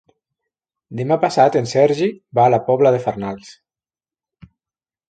Demà passat en Sergi va a la Pobla de Farnals.